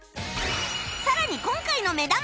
さらに今回の目玉！